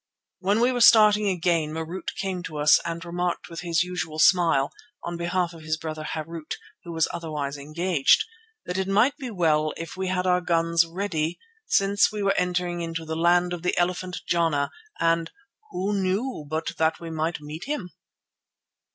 When we were starting again Marût came to us and remarked with his usual smile, on behalf of his brother Harût, who was otherwise engaged, that it might be well if we had our guns ready, since we were entering the land of the elephant Jana and "who knew but that we might meet him?"